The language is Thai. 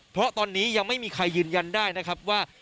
เพราะตอนนี้ยังไม่มีใครยืนยันได้นะครับว่า